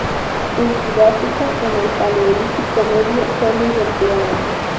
En Sudáfrica, en el Paleolítico medio, fue muy empleada.